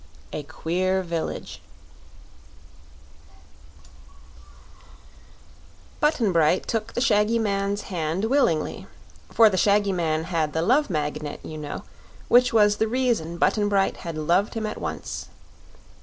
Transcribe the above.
A Queer Village Button Bright took the shaggy man's hand willingly; for the shaggy man had the Love Magnet, you know, which was the reason Button Bright had loved him at once.